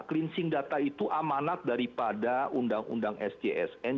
cleansing data itu amanat daripada undang undang sjsn